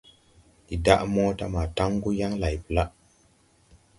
Ndi daʼ mota ma taŋgu yaŋ layblaʼ.